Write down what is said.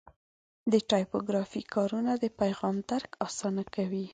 د ټایپوګرافي کارونه د پیغام درک اسانه کوي.